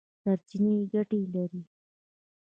سرچینې ګټې لري.